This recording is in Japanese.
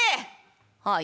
「はい。